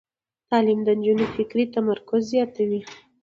تعلیم د نجونو فکري تمرکز زیاتوي.